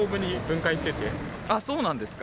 そうなんですか。